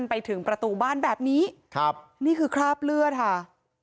ไปถึงประตูบ้านแบบนี้ครับนี่คือคราบเลือดค่ะ